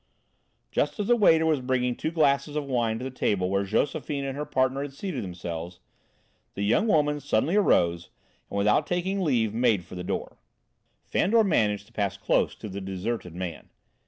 Just as the waiter was bringing two glasses of wine to the table where Josephine and her partner had seated themselves, the young woman suddenly arose, and, without taking leave, made for the door. Fandor managed to pass close to the deserted man.